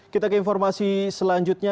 kita ke informasi selanjutnya